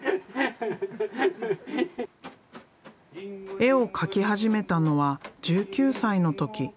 絵を描き始めたのは１９歳の時。